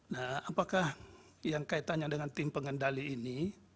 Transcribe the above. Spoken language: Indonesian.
nah apakah yang kaitannya dengan tim pengendali ini